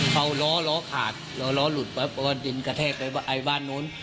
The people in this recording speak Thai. เคราะห์ล้อล้อขาดล้อล้อหลุดปั๊บเดี๋ยวกระแทกไอ้บ้านโน้น